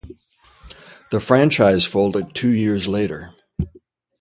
The franchise folded two years later.